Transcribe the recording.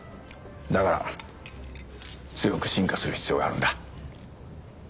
だから強く進化する必要があるんだ。